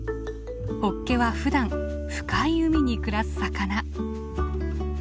ホッケはふだん深い海に暮らす魚。